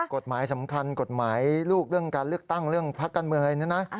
กฎหมายสำคัญกฎหมายลูกเรื่องการเลือกตั้งเรื่องพักการเมืองอะไรเนี่ยนะ